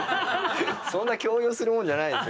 そんな強要するもんじゃない。